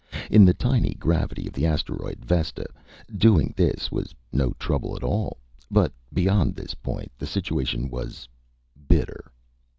In the tiny gravity of the asteroid, Vesta, doing this was no trouble at all. But beyond this point the situation was bitter.